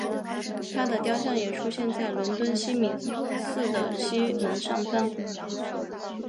她的雕像也出现在伦敦西敏寺的西门上方。